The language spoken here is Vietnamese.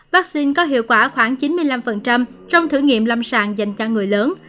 vaccine có hiệu quả khoảng chín mươi năm trong thử nghiệm lâm sàng dành cho người lớn